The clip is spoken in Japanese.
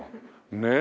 ねえ？